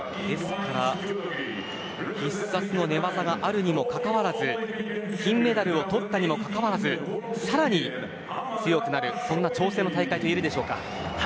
必殺の寝技があるにもかかわらず金メダルを取ったにもかかわらずさらに強くなる、そんな挑戦の大会といえるでしょうか。